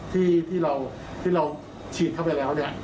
ที่เราฉีดเข้าไปแล้วเนี่ย